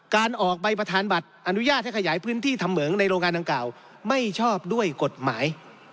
การออกใบประธานบัตรอนุญาตให้ขยายพื้นที่ทำเหมืองในโรงงานดังกล่าวไม่ชอบด้วยกฎหมาย